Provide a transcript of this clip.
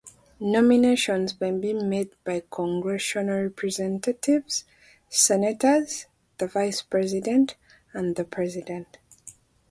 Nominations may be made by Congressional Representatives, Senators, the Vice President and the President.